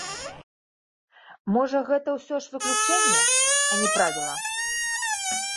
Можа, гэта ўсё ж выключэнне, а не правіла?